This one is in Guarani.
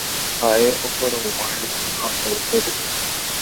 ha'e ohorõguare oñorairõ upépe